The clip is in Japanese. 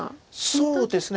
そうですね